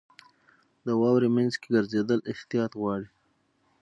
• د واورې مینځ کې ګرځېدل احتیاط غواړي.